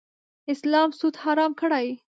اسلام سود حرام کړی.